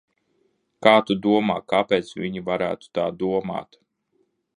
Kā tu domā, kāpēc viņi varētu tā domāt?